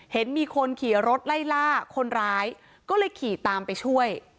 เห็นมีคนขี่รถไล่ล่าคนร้ายก็เลยขี่ตามไปช่วย